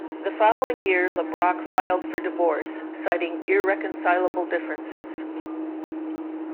The following year, LeBrock filed for divorce, citing "irreconcilable differences".